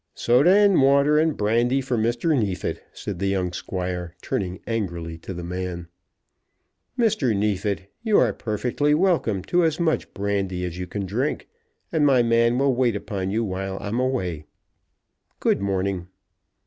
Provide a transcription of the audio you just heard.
"Soda water and brandy for Mr. Neefit," said the young Squire, turning angrily to the man. "Mr. Neefit, you are perfectly welcome to as much brandy as you can drink, and my man will wait upon you while I'm away. Good morning."